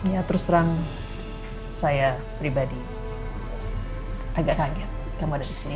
ya terus terang saya pribadi agak kaget kamu ada di sini